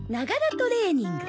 トレーニング。